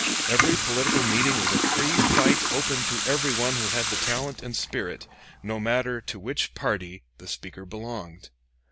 Every political meeting was a free fight open to every one who had talent and spirit, no matter to which party the speaker belonged.